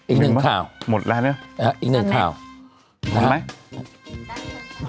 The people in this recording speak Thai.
อีก๑ข่าวหมดแล้วดูอันนี้อีก๑ข่าวนึกออกไหม